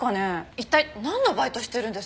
一体なんのバイトしてるんです？